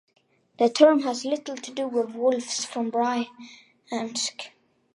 The term has little to do with wolves from Bryansk.